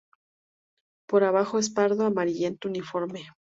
Por abajo es pardo amarillento uniforme.